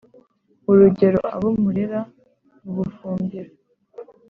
urugero: abo mu mulera, mu bufumbira,